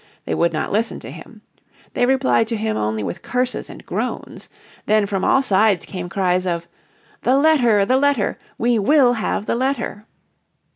They would not listen to him. They replied to him only with curses and groans. Then from all sides came cries of, "The letter, the letter, we will have the letter."